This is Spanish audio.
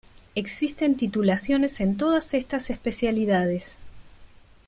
Existen titulaciones en todas estas especialidades.